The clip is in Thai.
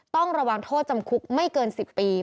ต้องระวังโทษจำคุกไม่เกิน๑๐ปี